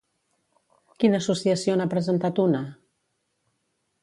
Quina associació n'ha presentat una?